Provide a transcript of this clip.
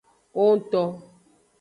Owongto.